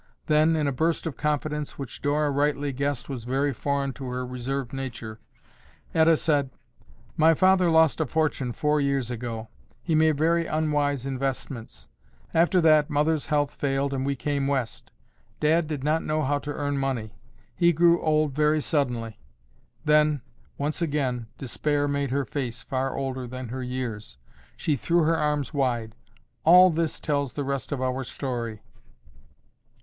Then, in a burst of confidence which Dora rightly guessed was very foreign to her reserved nature, Etta said, "My father lost a fortune four years ago. He made very unwise investments. After that Mother's health failed and we came West. Dad did not know how to earn money. He grew old very suddenly," then, once again, despair made her face far older than her years. She threw her arms wide. "All this tells the rest of our story."